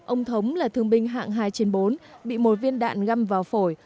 ông thống là thương binh hạng hai trên bốn bị một viên đạn găm vào phổi